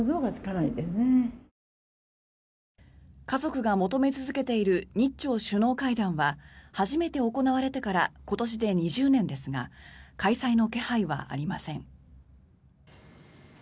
家族が求め続けている日朝首脳会談は初めて行われてから今年で２０年ですが開催の気配はありません。